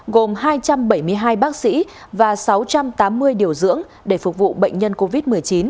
gồm hai trăm bảy mươi hai bác sĩ và sáu trăm tám mươi điều dưỡng để phục vụ bệnh nhân covid một mươi chín